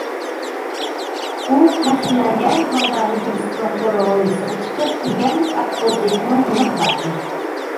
ئۇ پەخىرلەنگەن ھالدا ھۇجرىسىدىن قورۇ ھويلىسىغا چىقىپ ئېگەرلىك ئات بوز ئېتىنىڭ يېنىغا باردى.